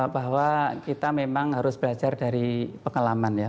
bahwa kita memang harus belajar dari pengalaman ya